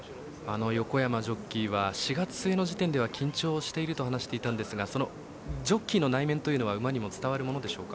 横山ジョッキーは４月末の時点では緊張していると話していたんですがそのジョッキーの内面というのは馬にも伝わるものでしょうか？